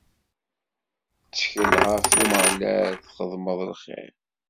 Ttkel ɣef Umeɣlal txedmeḍ lxir.